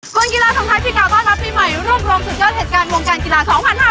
กลุ่นกีฬาส่งท้ายพี่กล่าวต้อนรับปีใหม่